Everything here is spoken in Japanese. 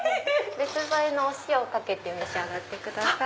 別添えのお塩をかけて召し上がってください。